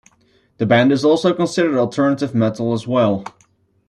The band is also considered alternative metal as well.